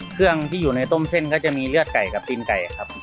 เครื่องที่อยู่ในต้มเส้นก็จะมีเลือดไก่กับตีนไก่ครับ